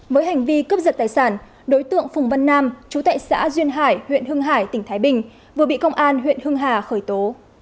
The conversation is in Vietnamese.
với hành vi cướp giật tài sản đối tượng phùng văn nam chú tại xã duyên hải huyện hưng hải tỉnh thái bình vừa bị công an huyện hưng hà khởi tố